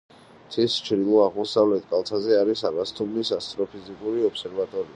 მთის ჩრდილო-აღმოსავლეთ კალთაზე არის აბასთუმნის ასტროფიზიკური ობსერვატორია.